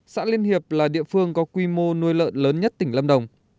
xã liên hiệp là địa phương có quy mô nuôi lợn lớn nhất tỉnh lâm đồng